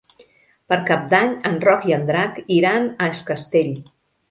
Per Cap d'Any en Roc i en Drac iran a Es Castell.